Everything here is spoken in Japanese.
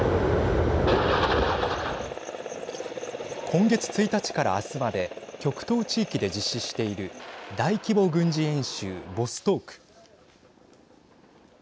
今月１日から明日まで極東地域で実施している大規模軍事演習、ボストーク。